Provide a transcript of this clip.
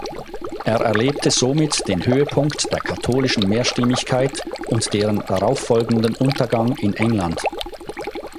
Er erlebte somit den Höhepunkt der katholischen Mehrstimmigkeit und deren darauffolgenden Untergang in England.